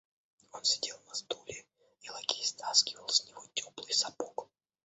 Он сидел на стуле, и лакей стаскивал с него теплый сапог.